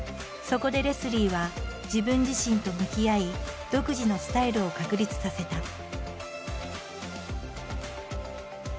そこでレスリーは自分自身と向き合い独自のスタイルを確立させた。